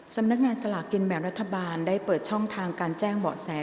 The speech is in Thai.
สำนักงานสลากกินแบ่งรัฐบาลได้เปิดช่องทางการแจ้งเบาะแส